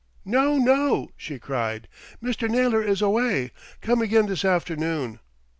"No, no!" she cried. "Mr. Naylor is away. Come again this afternoon."